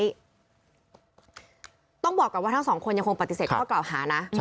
แล้วต้องบอกกับว่าทั้ง๒คนน์ยังคงปฏิเสธข้อเกล่าหานะ